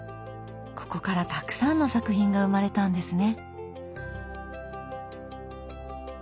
ここからたくさんの作品が生まれたんですね。